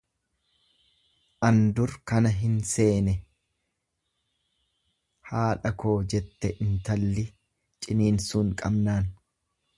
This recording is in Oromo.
An dur kana hin seene haadha koo jette intalli ciniinsuun qabnaan.